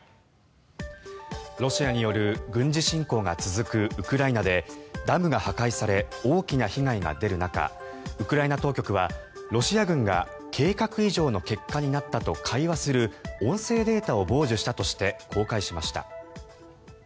ロシアによる軍事侵攻が続くウクライナでダムが破壊され大きな被害が出る中ウクライナ当局はロシア軍が計画以上の結果になったと会話する音声データを傍受したとして公開しました。